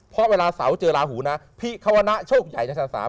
เพราะเวลาเสาเจอลาหูนะพิควนะโชคใหญ่ในภาษา